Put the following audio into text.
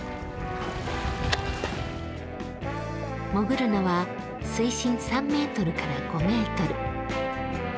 潜るのは水深３ｍから５ｍ。